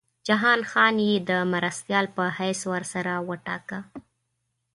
جهان خان یې د مرستیال په حیث ورسره وټاکه.